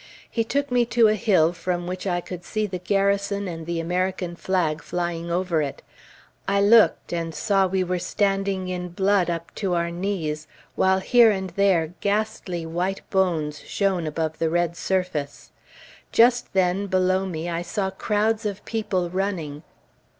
He took me to a hill from which I could see the Garrison, and the American flag flying over it. I looked, and saw we were standing in blood up to our knees, while here and there ghastly white bones shone above the red surface. Just then, below me I saw crowds of people running.